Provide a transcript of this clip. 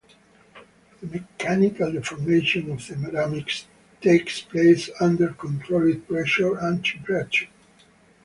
The mechanical deformation of ceramics takes place under controlled pressure and temperature.